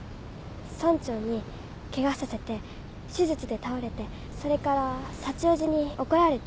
村長にケガさせて手術で倒れてそれからさちおじに怒られて泣いた人。